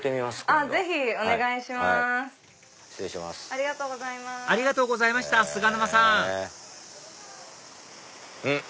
ありがとうございました菅沼さんんっ！